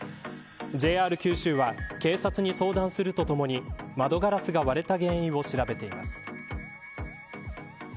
ＪＲ九州は警察に相談するとともに窓ガラスが割れた原因を調べています。